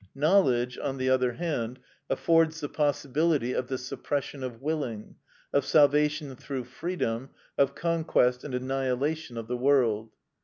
Knowledge, on the other hand, affords the possibility of the suppression of willing, of salvation through freedom, of conquest and annihilation of the world.